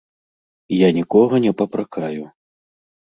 Я нікога не папракаю.